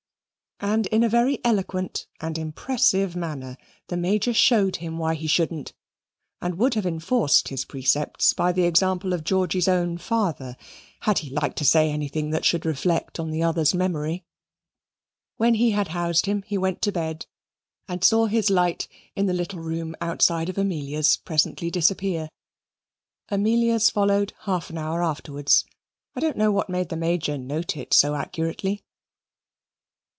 And, in a very eloquent and impressive manner, the Major showed him why he shouldn't, and would have enforced his precepts by the example of Georgy's own father, had he liked to say anything that should reflect on the other's memory. When he had housed him, he went to bed and saw his light, in the little room outside of Amelia's, presently disappear. Amelia's followed half an hour afterwards. I don't know what made the Major note it so accurately.